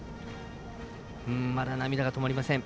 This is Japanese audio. まだ涙が止まりません。